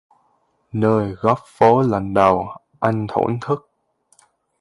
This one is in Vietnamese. Nơi góc phố lần đầu anh thổn thức